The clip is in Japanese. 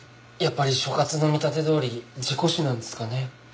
やっぱり所轄の見立てどおり事故死なんですかね？